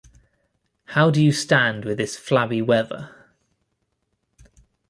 How do you stand this flabby weather?